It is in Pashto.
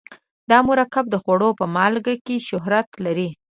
دا مرکب د خوړو په مالګې شهرت لري.